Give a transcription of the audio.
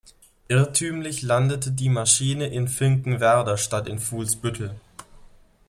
Irrtümlich landete die Maschine in Finkenwerder statt in Fuhlsbüttel.